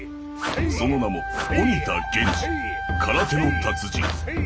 その名も鬼田源次空手の達人。